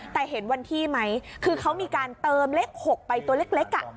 แต่เห็นวันที่ไหมคือเขามีการเติมเลข๖ไปตัวเล็ก